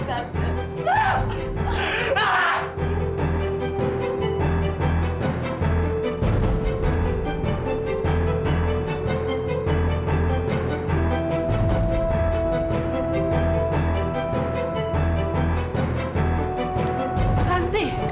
tentang pembukaan teknis